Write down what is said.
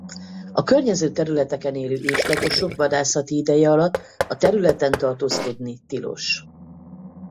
A környező területeken élő őslakosok vadászati ideje alatt a területen tartózkodni tilos.